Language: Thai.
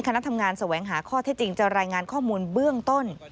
คณะทำงานแสวงหาข้อเท็จจริงจะรายงานข้อมูลเบื้องต้น